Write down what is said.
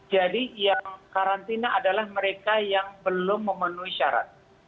jadi yang karantina adalah mereka yang belum memenuhi syarat